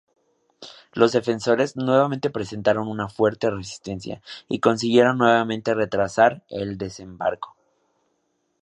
Los defensores nuevamente presentaron una fuerte resistencia y consiguieron nuevamente retrasar el desembarco.